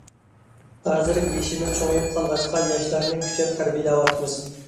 ھازىر يېشىمىز چوڭىيىپ قالغاچقا، ياشلارنى كۈچەپ تەربىيەلەۋاتىمىز.